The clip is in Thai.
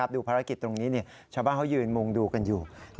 ดูภารกิจตรงนี้ชาวบ้านเขายืนมุงดูกันอยู่